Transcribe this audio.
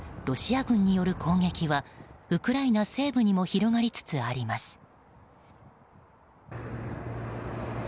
ロシア軍による攻撃はウクライナ西部にも広がりつつあります。